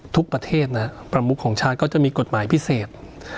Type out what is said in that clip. ประเทศนะฮะประมุขของชาติก็จะมีกฎหมายพิเศษ